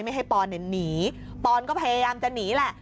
ไม่ให้ปอนเนี่ยหนีปอนก็พยายามจะหนีแหละ